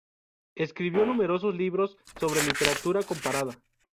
Escribió numerosos libros sobre literatura comparada.